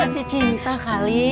kasih cinta kali